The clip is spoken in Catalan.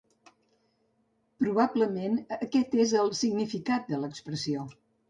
Probablement aquest és el significat de l'expressió.